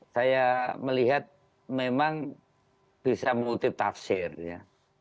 saya melihat memang bisa multi tafsir ya